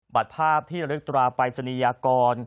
บัตรภาพที่ระลึกตราไปเสนียากร